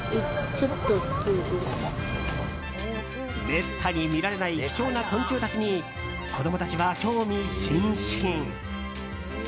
めったに見られない貴重な昆虫たちに子供たちは興味津々。